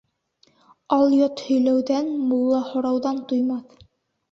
Алйот һөйләүҙән, мулла һорауҙан туймаҫ.